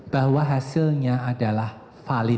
bahwa hasilnya adalah valid